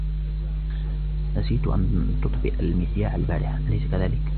نسيت أن تطفئ المذياع البارحة ، أليس كذلك ؟